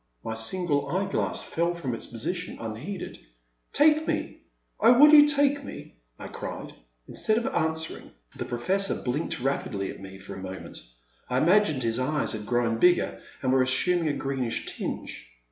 My single eye glass fell from its position unheeded. Take me ! Oh, will you take me ?I cried. Instead of an swering, the Professor blinked rapidly at me for a moment. I imagined his eyes had grown bigger, and were assuming a greenish tinge.